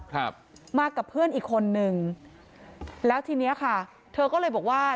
ครับมากับเพื่อนอีกคนนึงแล้วทีเนี้ยค่ะเธอก็เลยบอกว่า